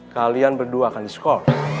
kalian berdua akan diskor